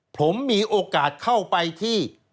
ผมมีโอกาสเข้าไปที่